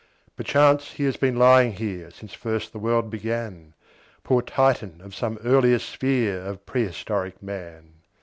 Perchance he has been lying here Since first the world began, Poor Titan of some earlier sphere Of prehistoric Man!